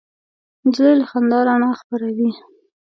نجلۍ له خندا رڼا خپروي.